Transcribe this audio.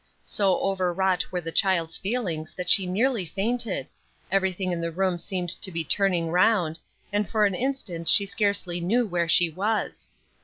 So over wrought were the child's feelings that she nearly fainted; everything in the room seemed to be turning round, and for an instant she scarcely knew where she was.